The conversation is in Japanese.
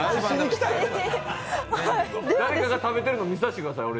誰かが食べてるの俺に見させてください。